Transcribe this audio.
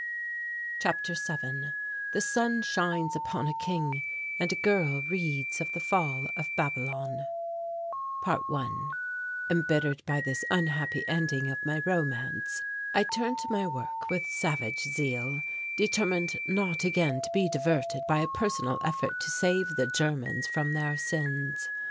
CHAPTER VII THE SUN SHINES UPON A KING AND A GIRL READS OF THE FALL OF BABYLON ~1~ Embittered by this unhappy ending of my romance, I turned to my work with savage zeal, determined not again to be diverted by a personal effort to save the Germans from their sins.